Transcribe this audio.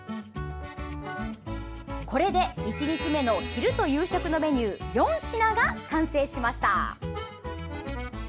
これで１日目の昼と夕食のメニュー４品が完成しました！